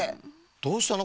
どうしたの？